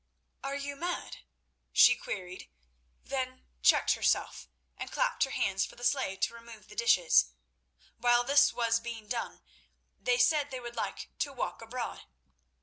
"Are you mad?" she queried, then checked herself, and clapped her hands for the slave to remove the dishes. While this was being done they said they would like to walk abroad.